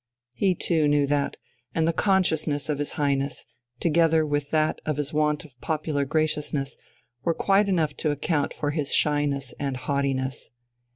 He too knew that; and the consciousness of his Highness, together with that of his want of popular graciousness, were quite enough to account for his shyness and haughtiness.